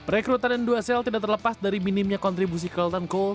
rekrutan ndwesel tidak terlepas dari minimnya kontribusi carlton cole